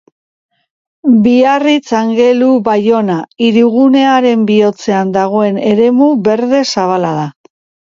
Biarritz-Angelu-Baiona hirigunearen bihotzean dagoen eremu berde zabala da.